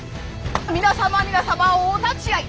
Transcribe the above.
皆様皆様お立ち会い！